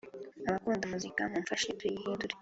abakunda muzika mumfashe tuyihindure